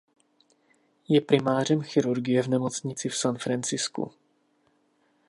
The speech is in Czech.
Je primářem chirurgie v nemocnici v San Francisku.